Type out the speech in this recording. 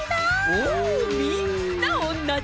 おみんなおんなじ。